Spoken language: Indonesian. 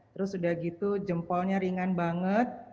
terus sudah gitu jempolnya ringan banget